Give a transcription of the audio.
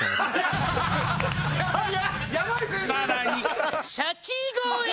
さらに。